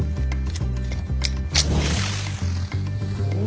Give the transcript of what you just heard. お！